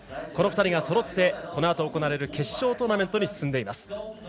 この２人がそろってこのあと行われる決勝トーナメントに進んでいます。